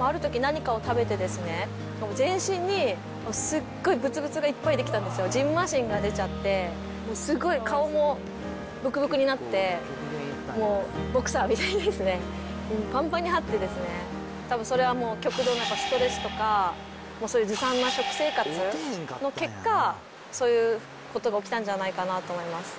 あるとき、何かを食べてですね、全身にすっごいぶつぶつがいっぱい出来たんですよ、じんましんが出ちゃって、もうすっごい、顔もぶくぶくになって、もうボクサーみたいに、ぱんぱんに張ってですね、たぶんそれはもう、極度のストレスとか、そういうずさんな食生活の結果、そういうことが起きたんじゃないかなと思います。